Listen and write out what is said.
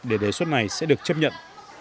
để đề xuất này sẽ được chấp nhận